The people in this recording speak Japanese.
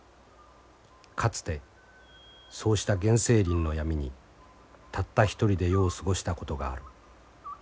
かつてそうした原生林の闇にたった一人で夜を過ごしたことがある。